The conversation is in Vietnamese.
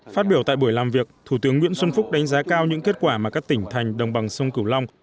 phát biểu tại buổi làm việc thủ tướng nguyễn xuân phúc đánh giá cao những kết quả mà các tỉnh thành đồng bằng sông cửu long